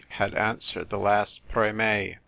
" had answered the last " Preme !"